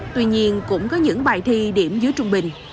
tuy nhiên cũng có những bài thi điểm dưới trung bình